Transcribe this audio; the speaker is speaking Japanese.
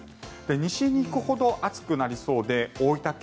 西に行くほど暑くなりそうで大分県